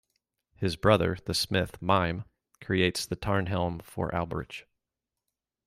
His brother, the smith Mime, creates the Tarnhelm for Alberich.